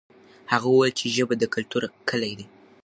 هغه وویل چې ژبه د کلتور کلي ده.